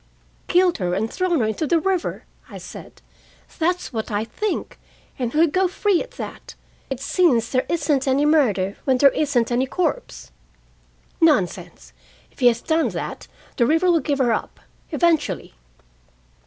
"Killed her and thrown her into the river," I said. "That's what I think, and he'll go free at that. It seems there isn't any murder when there isn't any corpse." "Nonsense! If he has done that, the river will give her up, eventually."